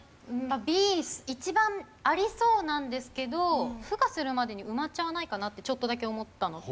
Ｂ一番ありそうなんですけどふ化するまでに埋まっちゃわないかなってちょっとだけ思ったのと。